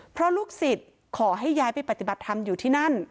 เพราะลูกศิษย์ขอให้ย้ายไปปฏิบัติธรรมอยู่ที่นั่น